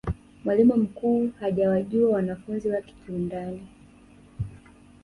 mwalimu mkuu hajawajua wanafunzi wake kiundani